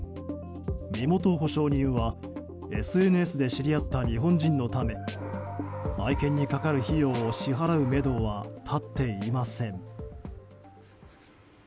身元保証人はＳＮＳで知り合った日本人のため愛犬にかかる費用を支払うめどは立っていません。